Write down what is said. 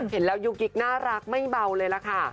เห็นแล้วยูกิ๊กน่ารักไม่เบาเลยล่ะค่ะ